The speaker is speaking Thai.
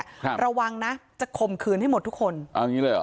ครับระวังนะจะข่มขืนให้หมดทุกคนเอาอย่างงี้เลยเหรอ